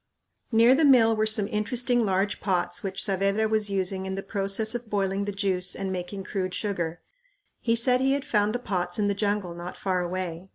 Near the mill were some interesting large pots which Saavedra was using in the process of boiling the juice and making crude sugar. He said he had found the pots in the jungle not far away.